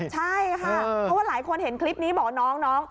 ใช่ค่ะเพราะว่าหลายคนเห็นคลิปนี้บอกน้อง